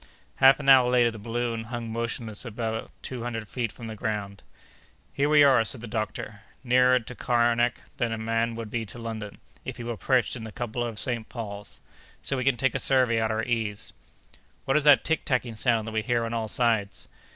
Half an hour later the balloon hung motionless about two hundred feet from the ground. "Here we are!" said the doctor, "nearer to Kernak than a man would be to London, if he were perched in the cupola of St. Paul's. So we can take a survey at our ease." "What is that tick tacking sound that we hear on all sides?"